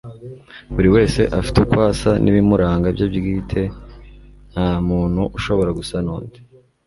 buri wese afite uko asa n'ibimuranga bye bwite; nta muntu ushobora gusa n'undi